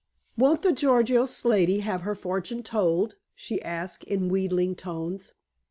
"Won't the Gorgios lady have her fortune told?" she asked in wheedling tones.